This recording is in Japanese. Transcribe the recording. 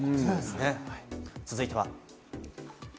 続いては。